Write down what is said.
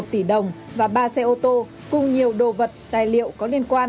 một tỷ đồng và ba xe ô tô cùng nhiều đồ vật tài liệu có liên quan